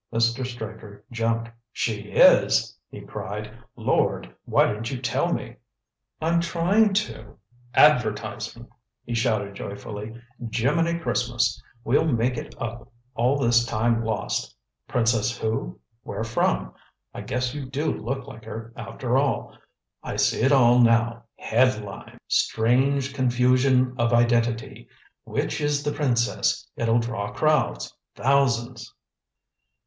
Mr. Straker jumped. "She is!" he cried. "Lord, why didn't you tell me?" "I'm trying to." "Advertising!" he shouted joyfully. "Jimminy Christmas! We'll make it up all this time lost. Princess who? Where from? I guess you do look like her, after all. I see it all now head lines! 'Strange confusion of identity! Which is the princess?' It'll draw crowds thousands."